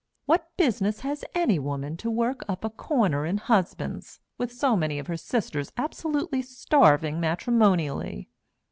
What business has any woman to work up a corner in husbands, with so many of her sisters absolutely starving matrimonially?"